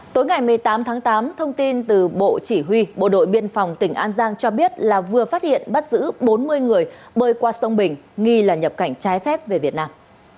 tối ngày một mươi tám tháng tám thông tin từ bộ chỉ huy bộ đội biên phòng tỉnh an giang cho biết là vừa phát hiện bắt giữ bốn mươi người bơi qua sông bình nghi là nhập cảnh trái phép về việt nam